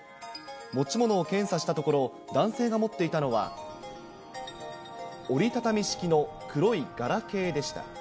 持ち物を検査したところ、男性が持っていたのは、折り畳み式の黒いガラケーでした。